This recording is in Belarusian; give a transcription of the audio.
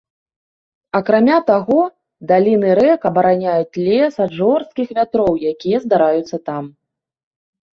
Акрамя таго, даліны рэк абараняюць лес ад жорсткіх вятроў, якія здараюцца там.